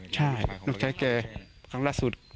ช่างลูกชาย